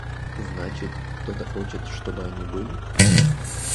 Значит – кто-то хочет, чтобы они были?